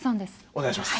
お願いします。